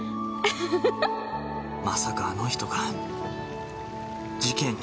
まさかあの人が事件に。